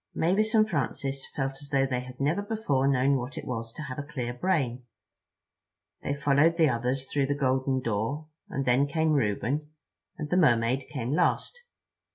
Mavis and Francis felt as though they had never before known what it was to have a clear brain. They followed the others through the golden door, and then came Reuben, and the Mermaid came last.